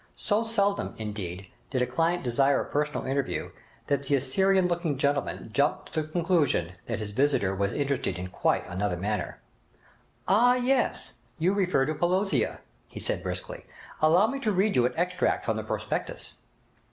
So seldom, indeed, did a client desire a personal interview, that the Assyrian looking gentleman jumped to the conclusion that his visitor was interested in quite another matter. 'Ah yes! You refer to "Pelosia",' he said briskly. 'Allow me to read you an extract from the prospectus.'